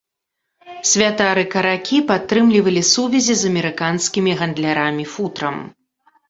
Святар і каракі падтрымлівалі сувязі з амерыканскімі гандлярамі футрам.